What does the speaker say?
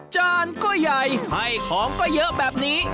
จานก็ใหญ่ให้ของก็เยอะแบบนี้